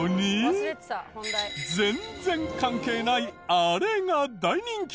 全然関係ないあれが大人気！